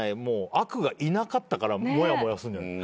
悪がいなかったからもやもやすんじゃない？